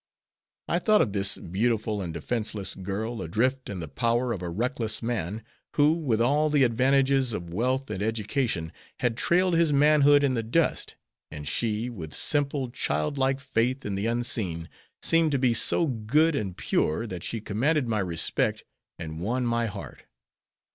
I thought of this beautiful and defenseless girl adrift in the power of a reckless man, who, with all the advantages of wealth and education, had trailed his manhood in the dust, and she, with simple, childlike faith in the Unseen, seemed to be so good and pure that she commanded my respect and won my heart.